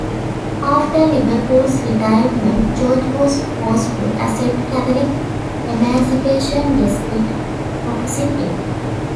After Liverpool's retirement, George was forced to accept Catholic emancipation despite opposing it.